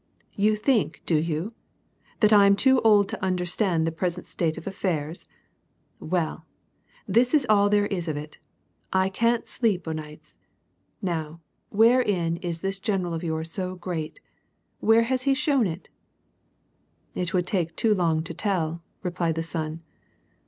" You think, do you, that I am too old to understand the present state of alfairs ? Well, this is all there is of it : 1 can't sleep o'nights. Now, wherein is this general of yours so great ? Where has he ever shown it ?" "It would take too long to tell," replied the son.